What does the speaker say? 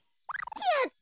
やった！